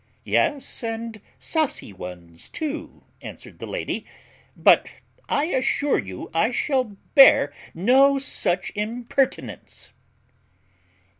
"Yes, and saucy ones too," answered the lady; "but I assure you I shall bear no such impertinence."